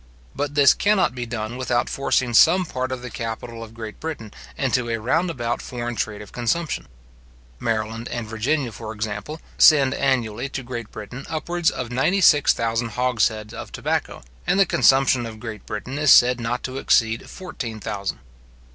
But this cannot be done without forcing some part of the capital of Great Britain into a round about foreign trade of consumption. Maryland, and Virginia, for example, send annually to Great Britain upwards of ninety six thousand hogsheads of tobacco, and the consumption of Great Britain is said not to exceed fourteen thousand.